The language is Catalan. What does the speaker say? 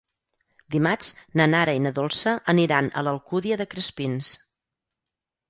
Dimarts na Nara i na Dolça aniran a l'Alcúdia de Crespins.